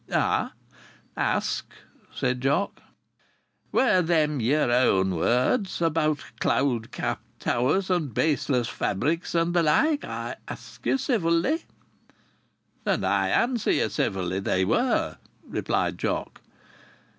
"Ask!" said Jock. "Were them yer own words about cloud capped towers and baseless fabrics and the like? I ask ye civilly." "And I answer ye civilly, they were," replied Jock.